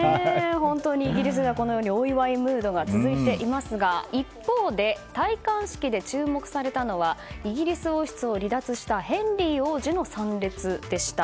本当にイギリスではお祝いムードが続いていますが一方で戴冠式で注目されたのはイギリス王室を離脱したヘンリー王子の参列でした。